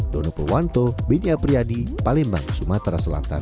dono purwanto benya priadi palembang sumatera selatan